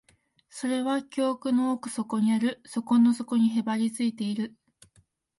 それは記憶の奥底にある、底の底にへばりついている